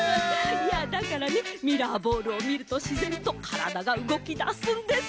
いやだからねミラーボールをみるとしぜんとからだがうごきだすんです。